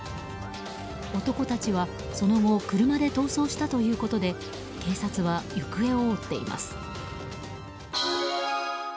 男たちは、その後車で逃走したということで警察は行方を追っています。